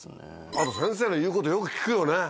あと先生の言うことよく聞くよね。